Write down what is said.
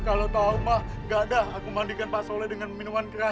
kalau tau mah gak ada aku mandikan pak saleh dengan minuman keras